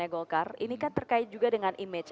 bicara masa depannya golkar ini kan terkait juga dengan image